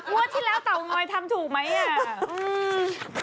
พวกที่แล้วเต๋างอยทำถูกไหม